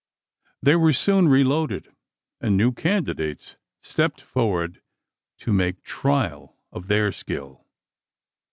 They were soon reloaded; and new candidates stepped forward to make trial of their skill.